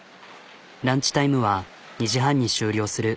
ランチタイムは２時半に終了する。